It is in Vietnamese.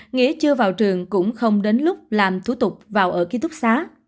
nghĩa chưa vào trường cũng không đến lúc làm thủ tục vào ở ký túc xá